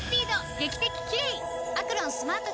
劇的キレイ！